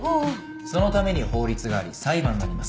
そのために法律があり裁判があります。